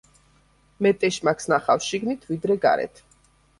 მეტ ეშმაკს ნახავ შიგნით, ვიდრე გარეთ.